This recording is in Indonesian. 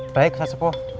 baik ustaz sepuh